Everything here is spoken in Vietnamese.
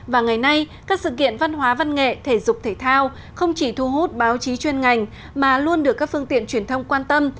và ngày nay các sự kiện văn hóa văn nghệ thể dục thể thao không chỉ thu hút báo chí chuyên ngành mà luôn được các phương tiện truyền thông quan tâm